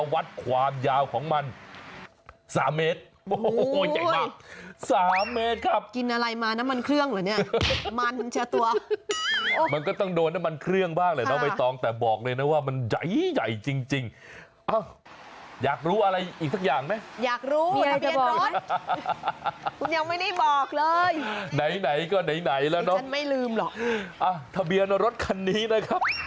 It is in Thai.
ไหนก็ไหนแล้วเนอะสิฉันไม่ลืมหรอกดูนะอ่ะทะเบียนรถคันนี้นะครับ